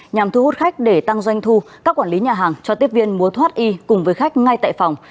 nhằm thu hút khách để tăng doanh thu các quản lý nhà hàng cho tiếp viên mua thoát y cùng với khách ngay tại phòng